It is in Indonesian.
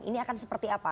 ini akan seperti apa